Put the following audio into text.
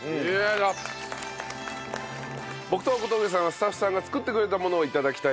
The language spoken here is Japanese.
僕と小峠さんはスタッフさんが作ってくれたものを頂きたいと思います。